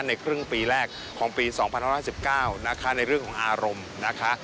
ในครึ่งปีแรกของปี๒๕๕๙นะคะในเรื่องของอารมณ์นะคะ